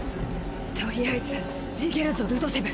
とりあえず逃げるぞルドセブ。